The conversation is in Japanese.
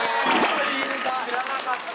知らなかった！